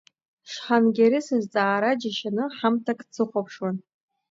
Шҳангери сызҵаара џьашьаны ҳамҭак дсыхәаԥшуан.